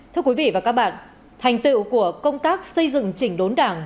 thưa quý vị và các bạn thành tựu của công tác xây dựng chỉnh đốn đảng